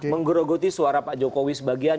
menggerogoti suara pak jokowi sebagian